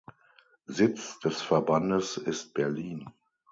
Sitz des Verbandes ist Berlin.